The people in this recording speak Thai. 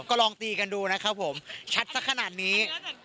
ก็ลองตีกันดูนะครับผมชัดสักขนาดนี้